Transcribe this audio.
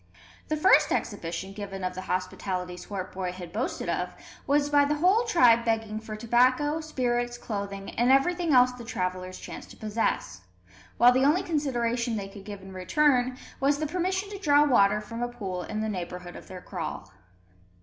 The first exhibition given of the hospitality Swartboy had boasted of was by the whole tribe begging for tobacco, spirits, clothing, and everything else the travellers chanced to possess; while the only consideration they could give in return was the permission to draw water from a pool in the neighbourhood of their kraal.